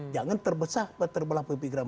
jangan terbesar terbelah pemikiran